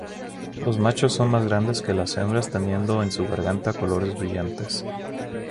Los machos son más grandes que las hembras teniendo en su garganta colores brillantes.